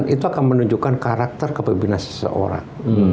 itu akan menunjukkan karakter kepemimpinan seseorang